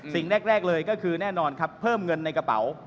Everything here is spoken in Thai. สิ่งแรกเลยก็คือแน่นอนครับเพิ่มเงินในกระเป๋า